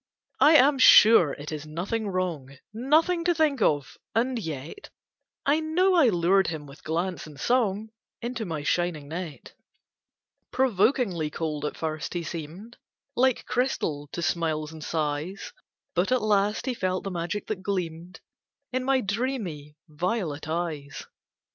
I am sure it is nothing wrong, Nothing to think of and yet I know I lured him with glance and song, Into my shining net; Provokingly cold at first he seemed, Like crystal to smiles and sighs, But at last he felt the magic that gleamed In my dreamy violet eyes.